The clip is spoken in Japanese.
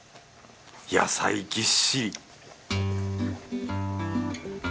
野菜ぎっしり